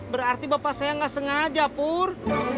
berarti bapak saya nggak sengaja pur